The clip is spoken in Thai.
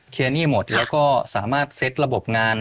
หนี้หมดแล้วก็สามารถเซ็ตระบบงาน